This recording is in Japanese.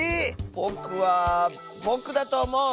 ⁉ぼくはぼくだとおもう！